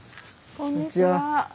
こんにちは。